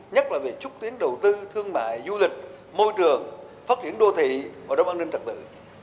nhất là về xúc tiến đầu tư thương mại du lịch môi trường phát triển đô thị và đồng an ninh trật tự